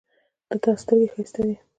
د تا سترګې ښایسته دي